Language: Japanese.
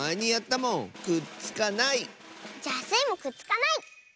じゃあスイもくっつかない！